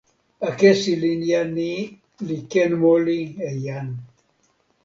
akesi linja ni li ken moli e jan.